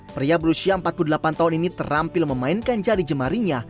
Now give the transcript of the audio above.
pria berusia empat puluh delapan tahun ini terampil memainkan jari jemarinya